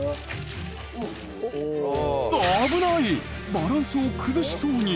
バランスを崩しそうに！